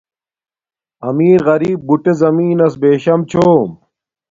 امیر غریپ بُوٹے زمین نس بیشم چھوم